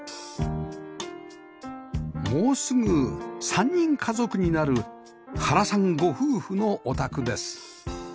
もうすぐ３人家族になる原さんご夫婦のお宅です